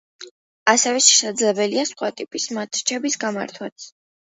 ასევე შესაძლებელია სხვა ტიპის მატჩების გამართვაც.